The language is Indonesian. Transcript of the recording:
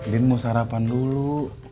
lin mau sarapan dulu